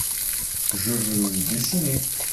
Je veux dessiner.